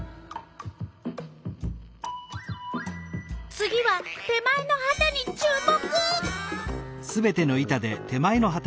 次は手前のはたに注目！